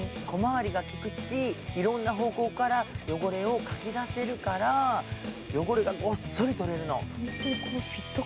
小回りが利くし、いろんな方向から汚れをかき出せるから、汚れがごっそり取れるの。